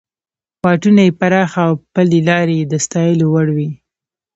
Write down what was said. واټونه یې پراخه او پلې لارې یې د ستایلو وړ وې.